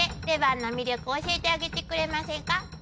レバーの魅力教えてあげてくれませんか？